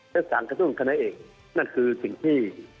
ได้ศาลกระทั่วทุนขนาดเอกนั่นคือสิ่งที่